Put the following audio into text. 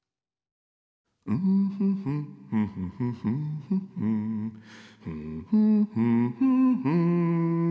「フフフンフフフフフフンフフフフフン」